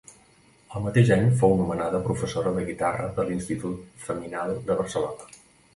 El mateix any fou nomenada professora de guitarra de l'Institut Feminal de Barcelona.